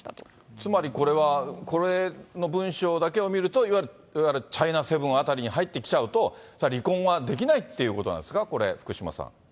つまりこれは、これの文章だけを見ると、いわゆるチャイナセブンあたりに入ってきちゃうと、離婚はできないっていうことなんですか、これ、福島さん。